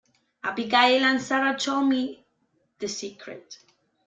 Abigail and Sara told me the secret.